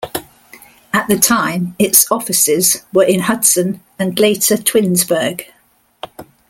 At the time its offices were in Hudson, and later, Twinsburg.